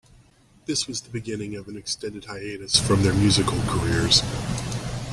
This was the beginning of an extended hiatus from their musical careers.